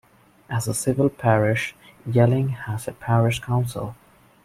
As a civil parish, Yelling has a parish council.